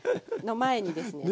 の前にですね